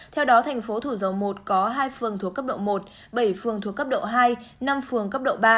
theo đó thành phố thủ dầu một có hai phường thuộc cấp độ một bảy phường thuộc cấp độ hai năm phường cấp độ ba